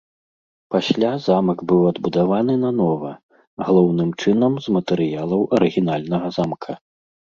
Пасля замак быў адбудаваны нанова, галоўным чынам з матэрыялаў арыгінальнага замка.